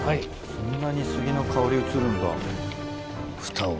そんなに杉の香り移るんだ。